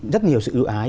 rất nhiều sự ưu ái